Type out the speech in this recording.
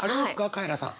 カエラさん。